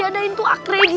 diadain tuh akreditasi